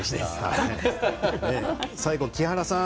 最後、木原さん！